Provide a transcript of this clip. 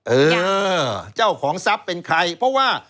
เออเจ้าของทรัพย์เป็นใครเพราะว่า